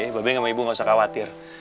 mbah be sama ibu nggak usah khawatir